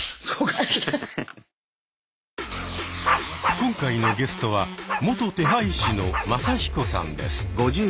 今回のゲストは元手配師のマサヒコさんです。